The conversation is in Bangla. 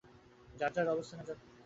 যার যার অবস্থানে যাও!